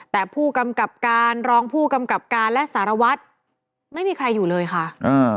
แต่ผู้กำกับการรองผู้กำกับการและสารวัตรไม่มีใครอยู่เลยค่ะอ่า